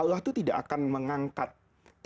allah itu tidak akan mengangkat ilmu itu menghapusnya